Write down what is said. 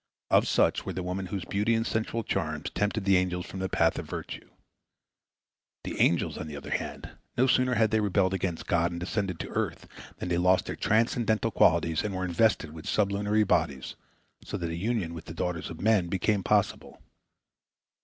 Of such were the women whose beauty and sensual charms tempted the angels from the path of virtue. The angels, on the other hand, no sooner had they rebelled against God and descended to earth than they lost their transcendental qualities, and were invested with sublunary bodies, so that a union with the daughters of men became possible.